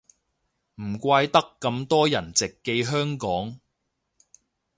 唔怪得咁多人直寄香港